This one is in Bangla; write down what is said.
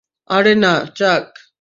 আরে না, চাক।